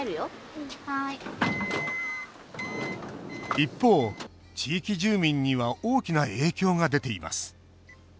一方、地域住民には大きな影響が出ています。